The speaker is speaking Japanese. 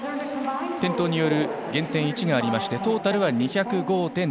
転倒による減点１がありましてトータルは２０５．７６。